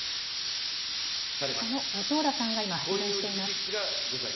その後藤田さんが今、発言しています。